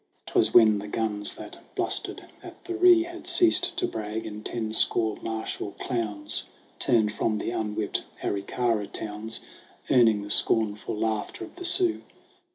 'TwAS when the guns that blustered at the Ree Had ceased to brag, and ten score martial clowns Turned from the unwhipped Aricara towns, Earning the scornful laughter of the Sioux.